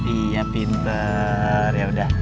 iya pinter ya udah